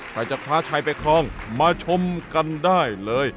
ใครจะพาชายไปคลองมาชมกันได้เลย